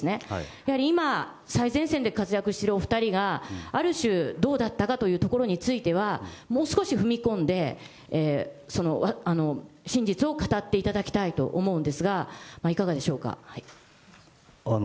やはり今、最前線で活躍しているお２人が、ある種どうだったかというところについては、もう少し踏み込んで、真実を語っていただきたいと思うんですが、いかがでしょうか。